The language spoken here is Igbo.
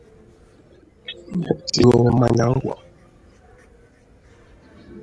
tinyere mmanya ngwọ